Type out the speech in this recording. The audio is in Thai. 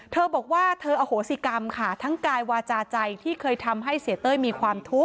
เธอบอกว่าเธออโหสิกรรมค่ะทั้งกายวาจาใจที่เคยทำให้เสียเต้ยมีความทุกข์